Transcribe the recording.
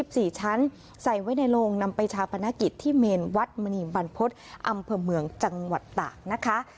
สี่ชั้นใส่ไว้ในโรงนำไปชาปนกิจที่เมนวัดมณีบรรพฤษอำเภอเมืองจังหวัดตากนะคะ